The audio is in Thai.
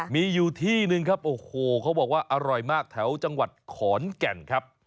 มีอยู่ที่นึงเขาบอกว่าอร่อยมากแถวจังหวัดขอนแก่นครับ